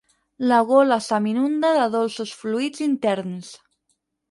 La gola se m'inunda de dolços fluids interns.